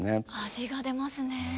味が出ますね。